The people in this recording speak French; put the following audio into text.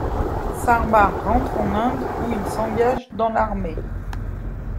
Sarmar rentre en Inde où il s'engage dans l'armée.